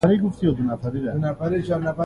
ځغاسته د روغ وجود لپاره لاره ده